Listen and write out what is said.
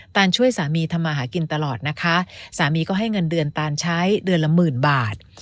นช่วยสามีทำมาหากินตลอดนะคะสามีก็ให้เงินเดือนตานใช้เดือนละหมื่นบาท